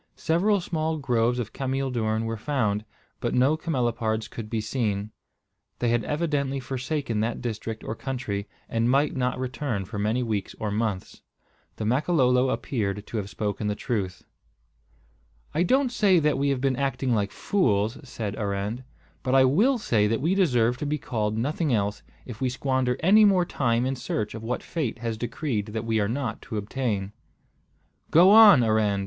Several small groves of cameel doorn were found, but no camelopards could be seen. They had evidently forsaken that district or country, and might not return for many weeks or months. The Makololo appeared to have spoken the truth. "I don't say that we have been acting like fools," said Arend; "but I will say that we deserve to be called nothing else, if we squander any more time in search of what fate has decreed that we are not to obtain." "Go on, Arend!"